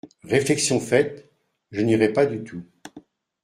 Réflexion faite, je n'irai pas du tout.